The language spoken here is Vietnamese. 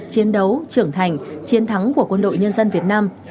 chiến đấu trưởng thành chiến thắng của quân đội nhân dân việt nam